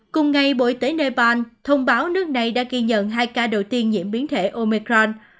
cùng ngày bộ y tế nepal thông báo nước này đã kiên nhận hai ca đầu tiên diễn biến thể omicron